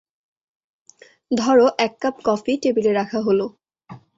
ধর এক cup coffee টেবিলে রাখা হল।